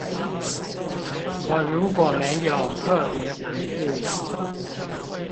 我如果沒有特別回覆